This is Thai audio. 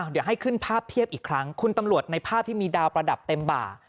เดี๋ยวให้ขึ้นภาพเทียบอีกครั้งคุณตำรวจในภาพที่มีดาวประดับเต็มบ่า